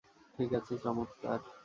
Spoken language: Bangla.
ঠিক আছে, চমৎকার।